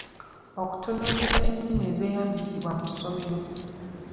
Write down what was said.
Okutunuulira ennimi ezeeyambisibwa mu ssomero